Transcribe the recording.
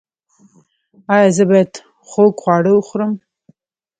ایا زه باید خوږ خواړه وخورم؟